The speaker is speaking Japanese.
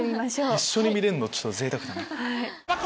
一緒に見れんのちょっとぜいたくだね。